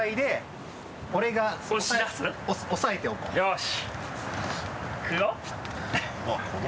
よし！